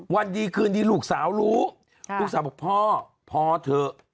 วันดีคืนดีลูกสาวรู้ลูกสาวบอกพ่อพอเถอะ